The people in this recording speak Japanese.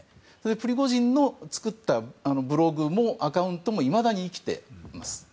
プリゴジンの作ったブログもアカウントもいまだに生きています。